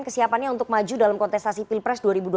kesiapannya untuk maju dalam kontestasi pilpres